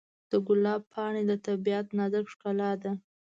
د ګلاب پاڼې د طبیعت نازک ښکلا ده.